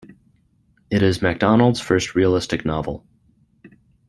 It is MacDonald's first realistic novel.